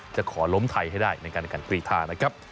จะขอล้มให้ไทยให้ได้ในการกุฎท่า